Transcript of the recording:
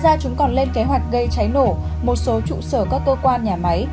ngoài ra chúng còn lên kế hoạch gây cháy nổ một số trụ sở các cơ quan nhà máy